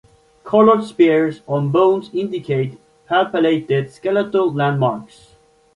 Colored spheres on bones indicate palpated skeletal landmarks.